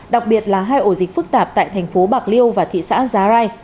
đặc biệt là hai ổ dịch phức tạp tại thành phố bạc liêu và thị xã giá rai